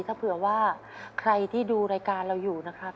ถ้าเผื่อว่าใครที่ดูรายการเราอยู่นะครับ